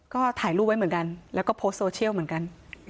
ก็ถ่ายรูปไว้เหมือนกันแล้วก็โพสต์โซเชียลเหมือนกัน